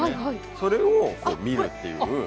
それを見るっていう。